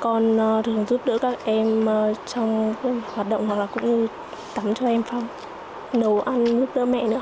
con thường giúp đỡ các em trong hoạt động hoặc là cũng tắm cho em phong nấu ăn giúp đỡ mẹ nữa